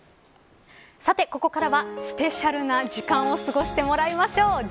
さてここからは、スペシャルな時間を過ごしてもらいましょう。